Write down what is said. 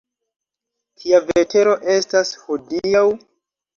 Kia vetero estas hodiaŭ?